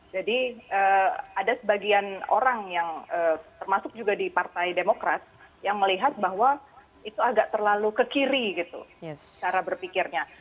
jadi ada sebagian orang yang termasuk juga di partai demokras yang melihat bahwa itu agak terlalu kekiri gitu cara berpikirnya